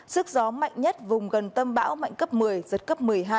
sức gió mạnh nhất vùng gần tâm áp thấp nhiệt đới mạnh cấp một mươi giật cấp một mươi hai